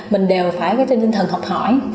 mình đều phải có cái tinh thần học hỏi